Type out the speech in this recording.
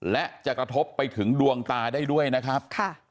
และจะกระทบไปถึงดวงตาได้ด้วยนะครับ